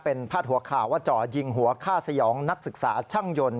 เป็นพาดหัวข่าวว่าจ่อยิงหัวฆ่าสยองนักศึกษาช่างยนต์